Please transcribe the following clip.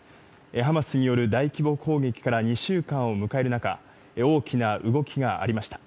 ハマスによる大規模攻撃から２週間を迎える中、大きな動きがありました。